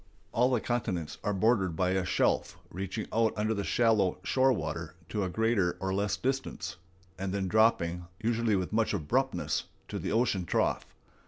All the continents are bordered by a shelf reaching out under the shallow shore water to a greater or less distance, and then dropping, usually with much abruptness, to the ocean trough.